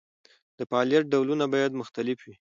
د فعالیت ډولونه باید مختلف وي.